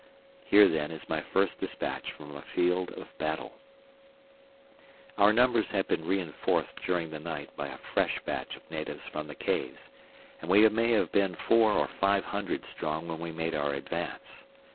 Here then is my first despatch from a field of battle: Our numbers had been reinforced during the night by a fresh batch of natives from the caves, and we may have been four or five hundred strong when we made our advance.